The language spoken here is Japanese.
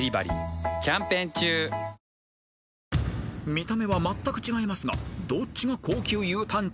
［見た目はまったく違いますがどっちが高級ユウタン茶？］